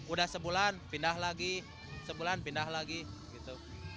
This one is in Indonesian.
udah sebulan pindah lagi sebulan pindah lagi gitu